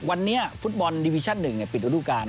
วันนี้ฟุตบอลดิวิชั่น๑ปิดระดูการ